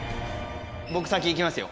僕先いきますよ